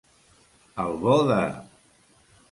Al bo de.